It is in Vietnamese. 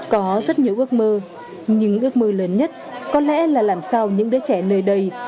có rất nhiều ước mơ nhưng ước mơ lớn nhất có lẽ là làm sao những đứa trẻ nơi đây